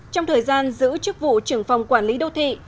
trong thời gian giữ chức vụ trưởng phòng quản lý đô thị